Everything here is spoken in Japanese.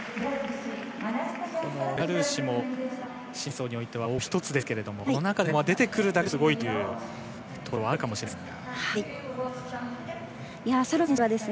ベラルーシも新体操においては王国の１つですけれども出てくるだけでもすごいというところはあるかもしれませんが。